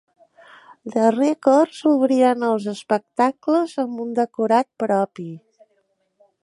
The Records obrien els espectacles amb un decorat propi.